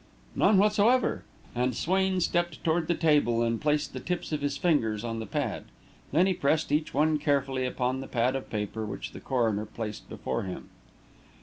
"None whatever," and Swain stepped toward the table and placed the tips of his fingers on the pad. Then he pressed each one carefully upon the pad of paper which the coroner placed before him.